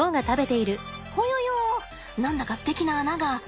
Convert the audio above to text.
ほよよ何だかすてきな穴が。